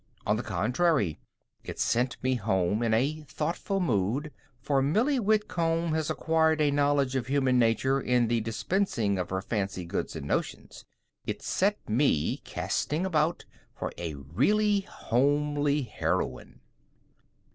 On the contrary, it sent me home in thoughtful mood, for Millie Whitcomb has acquired a knowledge of human nature in the dispensing of her fancy goods and notions. It set me casting about for a really homely heroine.